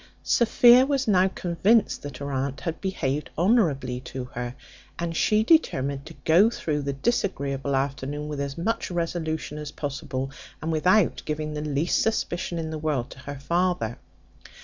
Sophia was now convinced that her aunt had behaved honourably to her: and she determined to go through that disagreeable afternoon with as much resolution as possible, and without giving the least suspicion in the world to her father.